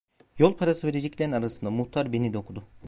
Yol parası vereceklerin arasında muhtar beni de okudu.